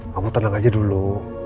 kamu tenang aja dulu